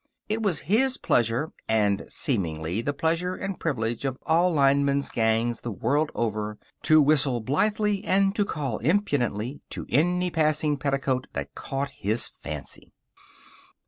It was his pleasure and seemingly the pleasure and privilege of all lineman's gangs the world over to whistle blithely and to call impudently to any passing petticoat that caught his fancy.